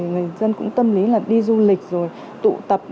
người dân cũng tâm lý là đi du lịch rồi tụ tập